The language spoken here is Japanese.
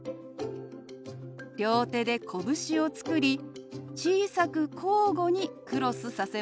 両手でこぶしを作り小さく交互にクロスさせます。